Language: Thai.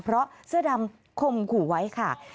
เพราะเสื้อดำคมขู่ไว้ค่ะ